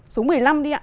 số một mươi năm đi ạ